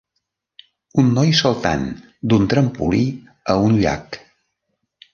Un noi saltant d'un trampolí a un llac.